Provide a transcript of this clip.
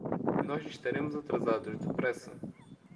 Nós estaremos atrasados, depressa.